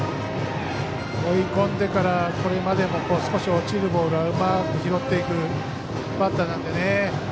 追い込んでから、これまで少し落ちるボールをうまく拾っていくバッターなんで。